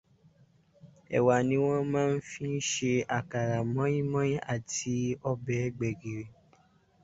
Ẹ̀wà ni wọ́n máa fí ń ṣe àkàrà, mọ́ínmọ́ín àti ọbẹ̀ gbẹ̀gìrì